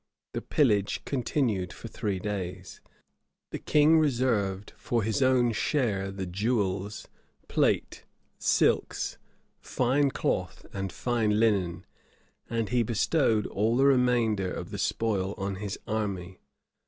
The pillage continued for three days: the king reserved for his own share the jewels, plate, silks, fine cloth, and fine linen; and he bestowed all the remainder of the spoil on his army.